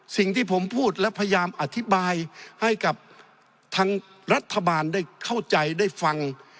สิ่งที่ผมพูดและพยายามอธิบายให้กับทางรัฐบาลได้เข้าใจได้ฟัง